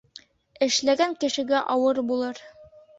Эшләгән кешегә ауыр булыр.